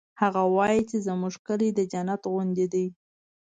هغه وایي چې زموږ کلی د جنت غوندی ده